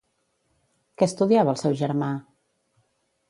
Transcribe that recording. Què estudiava el seu germà?